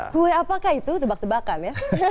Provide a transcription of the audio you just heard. kue apakah itu tebak tebakan ya